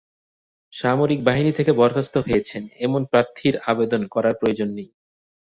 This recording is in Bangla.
সামরিক বাহিনী থেকে বরখাস্ত হয়েছেন, এমন প্রার্থীর আবেদন করার প্রয়োজন নেই।